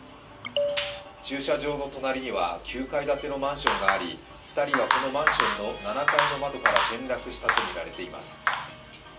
駐車場の隣には９階建てのマンションがあり２人はこのマンションの７階の窓から転落したとみられています。